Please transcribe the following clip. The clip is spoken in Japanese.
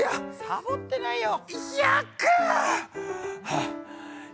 サボってないよ。